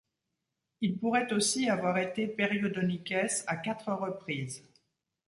Il pourrait aussi avoir été periodonikès à quatre reprises.